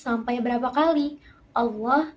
sampai berapa kali allah